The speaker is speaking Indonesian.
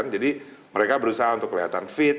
jadi mereka berusaha untuk kelihatan fit